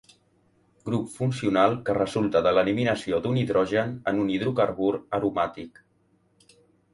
Grup funcional que resulta de l'eliminació d'un hidrogen en un hidrocarbur aromàtic.